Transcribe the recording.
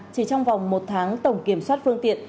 chỉ trong vòng một tháng tổng kiểm soát phương tiện